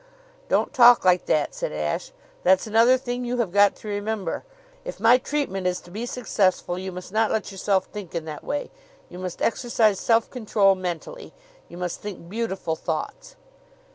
"Don't talk like that," said Ashe. "That's another thing you have got to remember. If my treatment is to be successful you must not let yourself think in that way. You must exercise self control mentally. You must think beautiful thoughts."